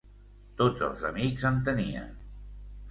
Tots els amics en tenien.